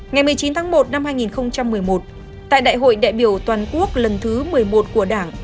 ngày một mươi chín tháng một năm hai nghìn một mươi một tại đại hội đại biểu toàn quốc lần thứ một mươi một của đảng